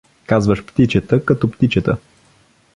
Казваш — птичета, като птичета.